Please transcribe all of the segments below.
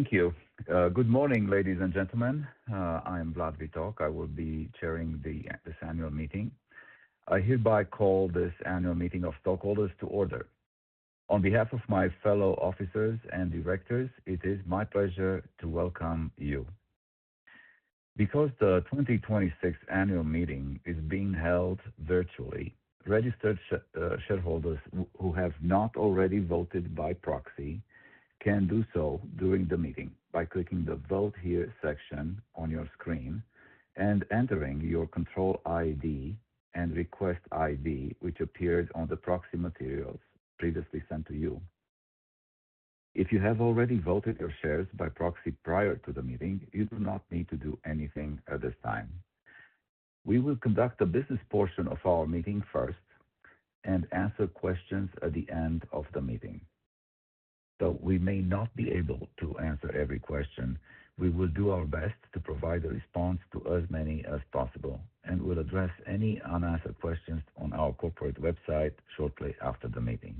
Thank you. Good morning, ladies and gentlemen. I am Vlad Vitoc. I will be chairing this annual meeting. I hereby call this annual meeting of stockholders to order. On behalf of my fellow officers and directors, it is my pleasure to welcome you. Because the 2026 annual meeting is being held virtually, registered shareholders who have not already voted by proxy can do so during the meeting by clicking the Vote Here section on your screen and entering your control ID and request ID, which appeared on the proxy materials previously sent to you. If you have already voted your shares by proxy prior to the meeting, you do not need to do anything at this time. We will conduct the business portion of our meeting first and answer questions at the end of the meeting. Though we may not be able to answer every question, we will do our best to provide a response to as many as possible and will address any unanswered questions on our corporate website shortly after the meeting.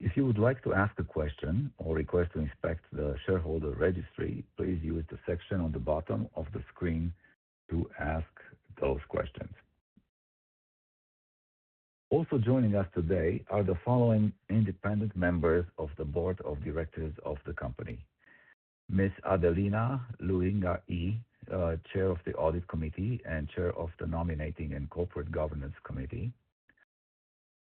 If you would like to ask a question or request to inspect the shareholder registry, please use the section on the bottom of the screen to ask those questions. Also joining us today are the following independent members of the board of directors of the company, Ms. Adelina Louie Ngar Yee, Chair of the Audit Committee and Chair of the Nominating and Corporate Governance Committee.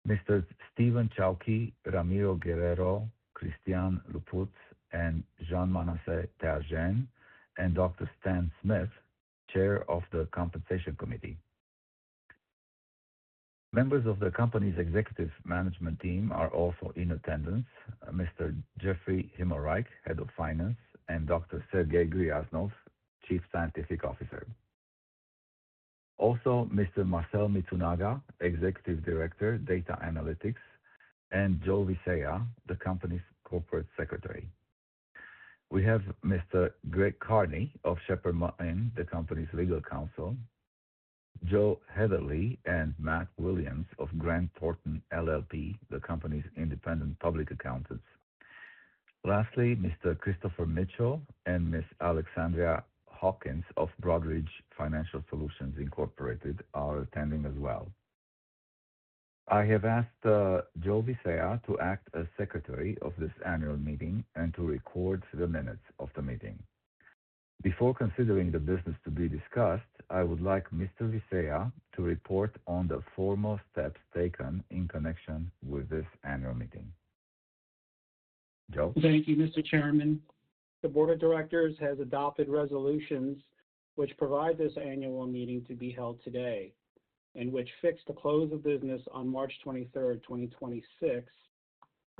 Messrs. Steven M. Chaouki, Ramiro Guerrero, Cristian Luput, and Jean-Manasse Theagene, and Dr. Stan V. Smith, Chair of the Compensation Committee. Members of the company's executive management team are also in attendance. Mr. Jeffrey Himmelreich, Head of Finance, and Dr. Sergei Gryaznov, Chief Scientific Officer. Mr. Marcel Mitsunaga, Executive Director, Data Analytics, and Joey Visaya, the company's Corporate Secretary. We have Mr. Greg Carney of Sheppard Mullin, the company's legal counsel, Joe Heatherly and Matt Williams of Grant Thornton LLP, the company's independent public accountants. Mr. Christopher Mitchell and Ms. Alexandria Hawkins of Broadridge Financial Solutions Incorporated are attending as well. I have asked Joey Visaya to act as secretary of this annual meeting and to record the minutes of the meeting. Before considering the business to be discussed, I would like Mr. Visaya to report on the formal steps taken in connection with this annual meeting. Joey? Thank you, Mr. Chairman. The board of directors has adopted resolutions which provide this annual meeting to be held today, and which fixed the close of business on March 23rd, 2026,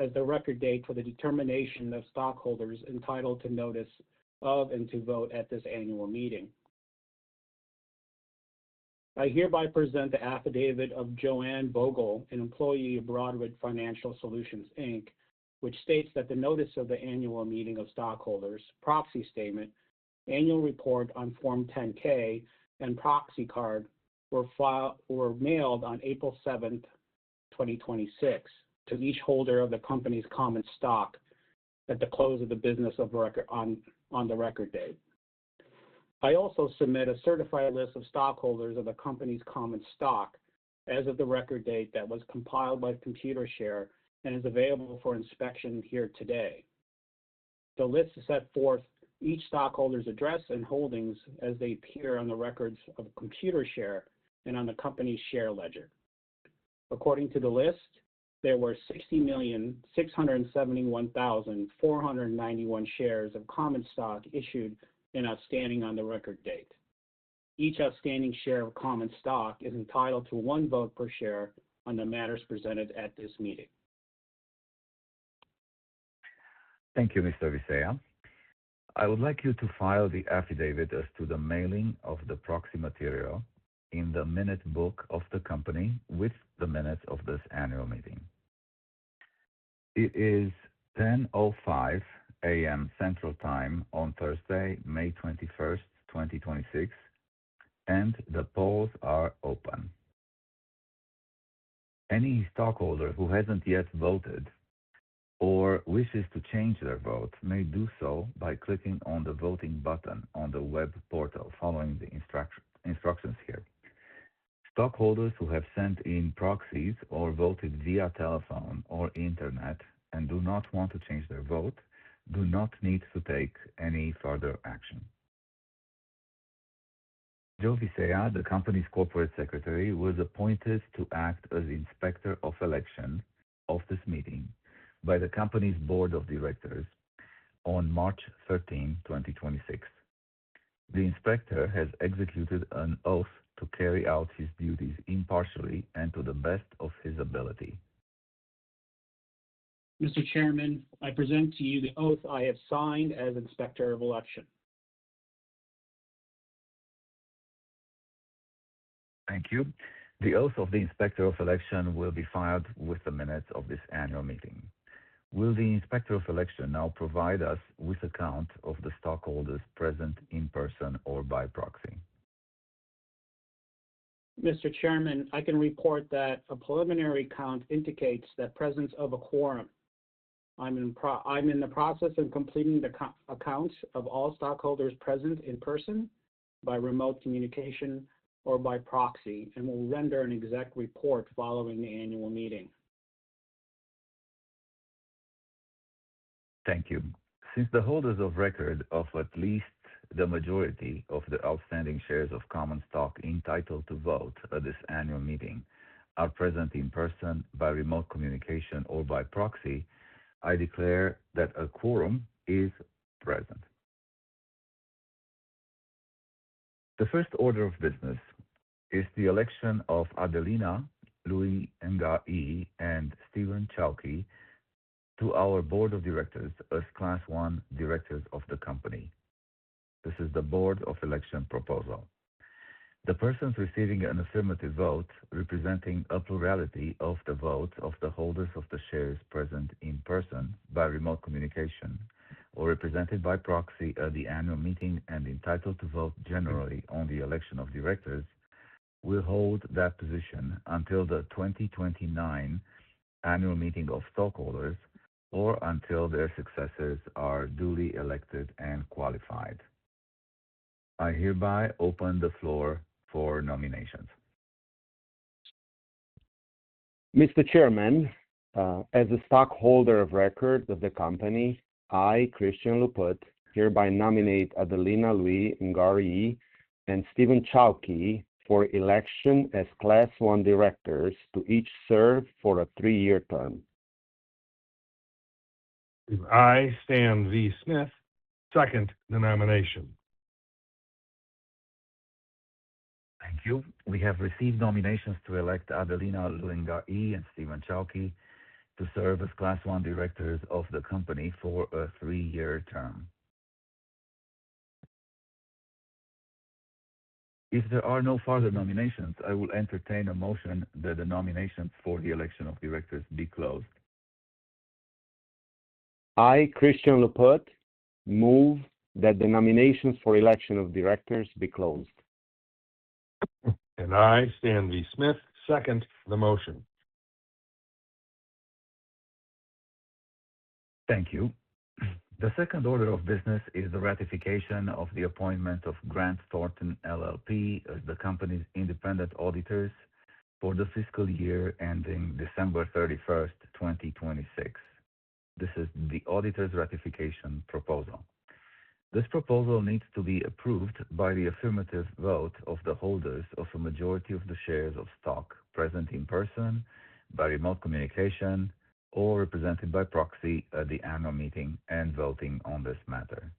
as the record date for the determination of stockholders entitled to notice of and to vote at this annual meeting. I hereby present the affidavit of Joanne Vogel, an employee of Broadridge Financial Solutions, Inc., which states that the notice of the annual meeting of stockholders, proxy statement, annual report on Form 10-K, and proxy card were mailed on April 7th, 2026, to each holder of the company's common stock at the close of the business on the record date. I also submit a certified list of stockholders of the company's common stock as of the record date that was compiled by Computershare and is available for inspection here today. The list set forth each stockholder's address and holdings as they appear on the records of Computershare and on the company's share ledger. According to the list, there were 60,671,491 shares of common stock issued and outstanding on the record date. Each outstanding share of common stock is entitled to one vote per share on the matters presented at this meeting. Thank you, Mr. Visaya. I would like you to file the affidavit as to the mailing of the proxy material in the minute book of the company with the minutes of this annual meeting. It is 10:05 A.M. Central Time on Thursday, May 21st, 2026, and the polls are open. Any stockholder who hasn't yet voted or wishes to change their vote may do so by clicking on the voting button on the web portal, following the instructions here. Stockholders who have sent in proxies or voted via telephone or internet and do not want to change their vote do not need to take any further action. Joey Visaya, the company's corporate secretary, was appointed to act as Inspector of Election of this meeting by the company's board of directors on March 13th, 2026. The inspector has executed an oath to carry out his duties impartially and to the best of his ability. Mr. Chairman, I present to you the oath I have signed as Inspector of Election. Thank you. The oath of the Inspector of Election will be filed with the minutes of this annual meeting. Will the Inspector of Election now provide us with a count of the stockholders present in person or by proxy? Mr. Chairman, I can report that a preliminary count indicates the presence of a quorum. I'm in the process of completing the count of all stockholders present in person, by remote communication, or by proxy, and will render an exact report following the annual meeting. Thank you. Since the holders of record of at least the majority of the outstanding shares of common stock entitled to vote at this annual meeting are present in person, by remote communication, or by proxy, I declare that a quorum is present. The first order of business is the election of Adelina Louie Ngar Yee and Steven M. Chaouki to our board of directors as Class I directors of the company. This is the board of election proposal. The persons receiving an affirmative vote representing a plurality of the votes of the holders of the shares present in person, by remote communication, or represented by proxy at the annual meeting and entitled to vote generally on the election of directors will hold that position until the 2029 annual meeting of stockholders, or until their successors are duly elected and qualified. I hereby open the floor for nominations. Mr. Chairman, as a stockholder of record of the company, I, Cristian Luput, hereby nominate Adelina Louie Ngar Yee and Steven M. Chaouki for election as Class I directors to each serve for a three-year term. I, Stan V. Smith, second the nomination. Thank you. We have received nominations to elect Adelina Louie Ngar Yee and Steven M. Chaouki to serve as Class I directors of the company for a three-year term. If there are no further nominations, I will entertain a motion that the nominations for the election of directors be closed. I, Cristian Luput, move that the nominations for election of directors be closed. I, Stan V. Smith, second the motion. Thank you. The second order of business is the ratification of the appointment of Grant Thornton LLP as the company's independent auditors for the fiscal year ending December 31st, 2026. This is the auditor's ratification proposal. This proposal needs to be approved by the affirmative vote of the holders of a majority of the shares of stock present in person, by remote communication, or represented by proxy at the annual meeting and voting on this matter.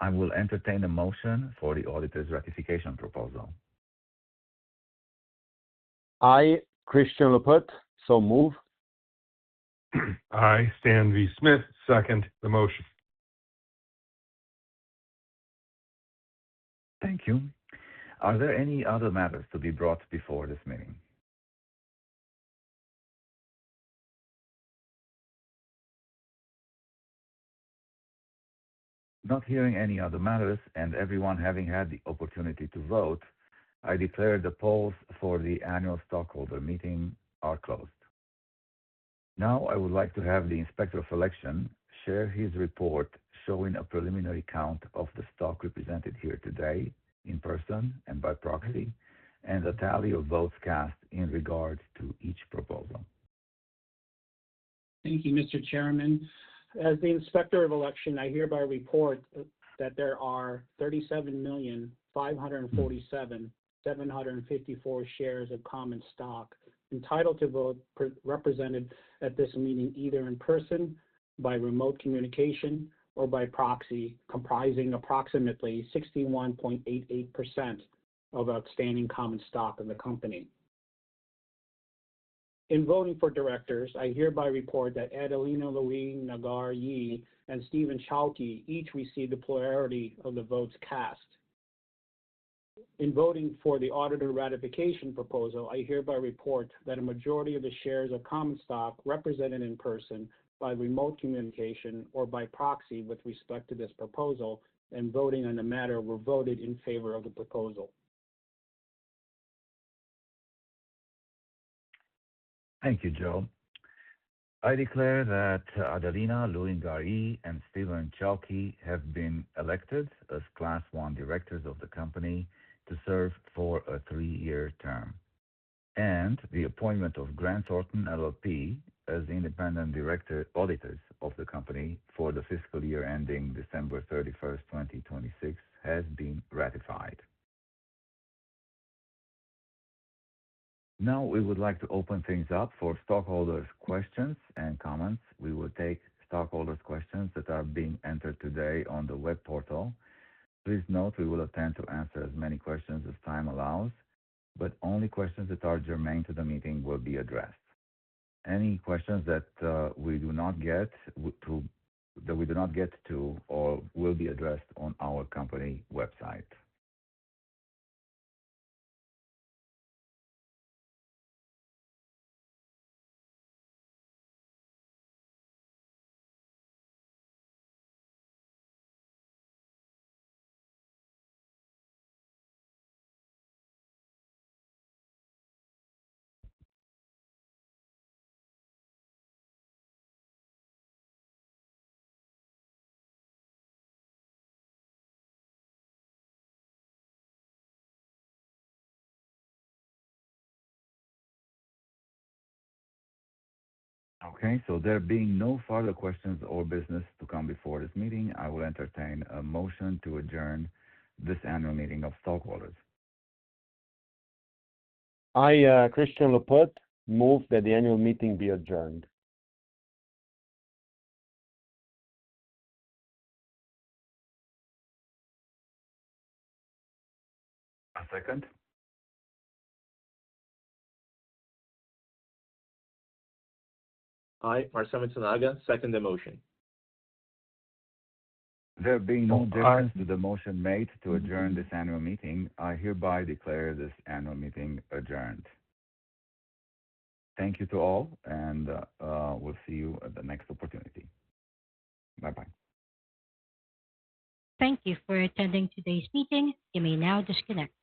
I will entertain a motion for the auditor's ratification proposal. I, Cristian Luput, so move. I, Stan V. Smith, second the motion. Thank you. Are there any other matters to be brought before this meeting? Not hearing any other matters and everyone having had the opportunity to vote, I declare the polls for the annual stockholder meeting are closed. Now, I would like to have the Inspector of Election share his report showing a preliminary count of the stock represented here today, in person and by proxy, and a tally of votes cast in regard to each proposal. Thank you, Mr. Chairman. As the Inspector of Election, I hereby report that there are 37,547,754 shares of common stock entitled to vote represented at this meeting, either in person, by remote communication, or by proxy, comprising approximately 61.88% of outstanding common stock in the company. In voting for directors, I hereby report that Adelina Louie Ngar Yee and Steven M. Chaouki each received a plurality of the votes cast. In voting for the auditor ratification proposal, I hereby report that a majority of the shares of common stock represented in person, by remote communication, or by proxy with respect to this proposal and voting on the matter were voted in favor of the proposal. Thank you, Joe. I declare that Adelina Louie Ngar Yee and Steven M. Chaouki have been elected as Class I directors of the company to serve for a three-year term, and the appointment of Grant Thornton LLP as independent auditors of the company for the fiscal year ending December 31st, 2026, has been ratified. We would like to open things up for stockholders' questions and comments. We will take stockholders' questions that are being entered today on the web portal. Please note we will attempt to answer as many questions as time allows, only questions that are germane to the meeting will be addressed. Any questions that we do not get to will be addressed on our company website. Okay. There being no further questions or business to come before this meeting, I will entertain a motion to adjourn this annual meeting of stockholders. I, Cristian Luput, move that the annual meeting be adjourned. A second? I, Marcel Mitsunaga, second the motion. There being no difference to the motion made to adjourn this annual meeting, I hereby declare this annual meeting adjourned. Thank you to all, and we'll see you at the next opportunity. Bye. Thank you for attending today's meeting. You may now disconnect.